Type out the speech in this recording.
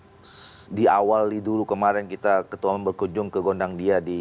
jadi di awal di dulu kemarin kita ketua berkunjung ke gondang dia di